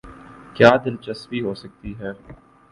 کیا دلچسپی ہوسکتی ہے۔